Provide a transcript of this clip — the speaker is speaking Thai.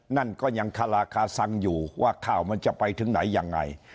นั่นก็ยังคาราคาซังอยู่ว่าข่าวมันจะไปถึงไหนยังไง